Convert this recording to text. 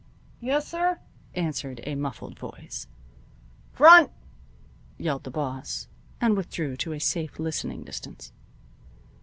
"Yessir," answered a muffled voice. "Front!" yelled the boss, and withdrew to a safe listening distance.